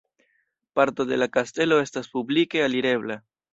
Parto de la kastelo estas publike alirebla.